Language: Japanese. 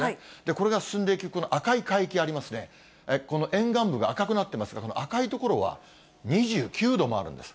これが進んでいく赤い海域ありますね、この沿岸部が赤くなってますが、この赤い所は２９度もあるんです。